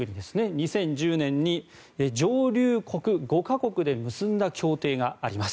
２０１０年に上流国５か国で結んだ協定があります。